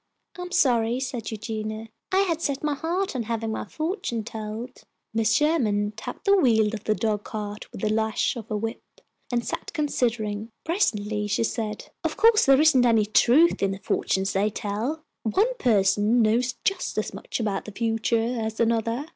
"I'm so sorry," said Eugenia; "I had set my heart on having my fortune told." Mrs. Sherman tapped the wheel of the dog cart with the lash of her whip, and sat considering. Presently she said, "Of course there isn't any truth in the fortunes they tell. One person knows just as much about the future as another.